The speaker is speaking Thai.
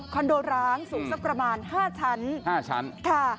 คอนโดร้างสูงสักประมาณ๕ชั้น๕ชั้นค่ะแล้วยังไง